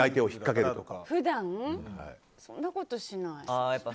普段そんなことしない。